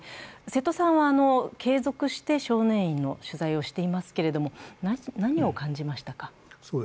瀬戸さんは継続して少年院の取材をしていますけれども、何を感じましたか。